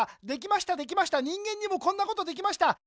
できましたできました人間にもこんなことできました。